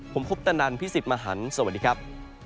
ผมคุปตะนันพี่สิทธิ์มหันฯสวัสดีครับ